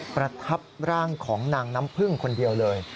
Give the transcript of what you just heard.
ประทับร่างของนางน้ำพึ่งคนเดียวเลย